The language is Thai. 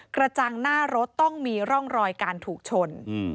กระจังหน้ารถต้องมีร่องรอยการถูกชน